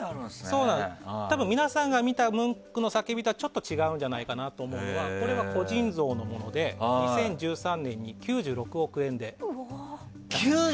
多分、皆さんが見たムンクの「叫び」とはちょっと違うんじゃないかと思うのはこれは個人像なので２０１３年に９６億円で。